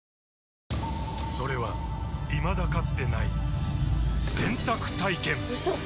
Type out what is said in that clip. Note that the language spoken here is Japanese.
それはいまだかつてない洗濯体験‼うそっ！